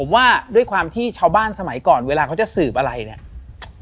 ผมว่าด้วยความที่ชาวบ้านสมัยก่อนเวลาเขาจะสืบอะไรเนี่ย